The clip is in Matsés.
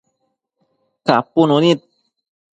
capunu nid